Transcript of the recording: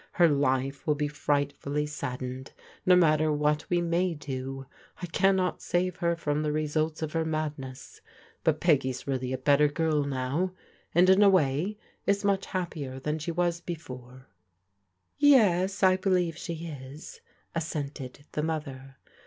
Her life will be frightfully saddened no matter what we may do. I cannot save her from the results of her madness. But Peggy's really a better girl now, and in a way is much happier than she was be fore " "Yes, I believe she is/' assented the mother.